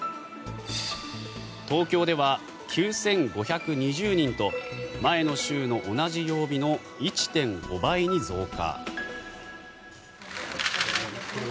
東京では９５２０人と前の週の同じ曜日の１．５倍に増加。